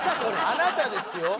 あなたですよ。